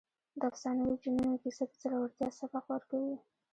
د افسانوي جنونو کیسه د زړورتیا سبق ورکوي.